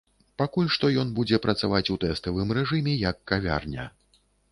Пакуль што ён будзе працаваць у тэставым рэжыме як кавярня.